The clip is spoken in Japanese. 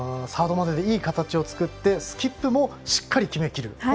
サードまででいい形を作りスキップもしっかり決めきる。